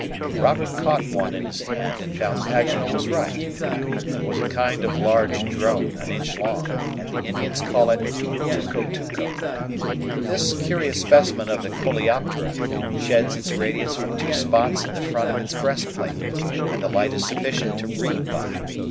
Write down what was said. Robert caught one in his hand, and found Paganel was right. It was a kind of large drone, an inch long, and the Indians call it "tuco tuco." This curious specimen of the COLEOPTERA sheds its radiance from two spots in the front of its breast plate, and the light is sufficient to read by.